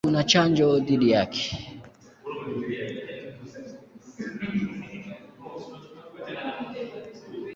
Pia kuna chanjo dhidi yake.